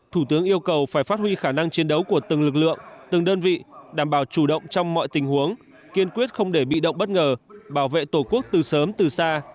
thủ tướng yêu cầu phải phát huy khả năng chiến đấu của từng lực lượng từng đơn vị đảm bảo chủ động trong mọi tình huống kiên quyết không để bị động bất ngờ bảo vệ tổ quốc từ sớm từ xa